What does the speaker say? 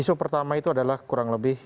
isu pertama itu adalah kurang lebih